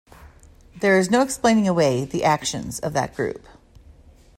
There is no explaining away the actions of that group.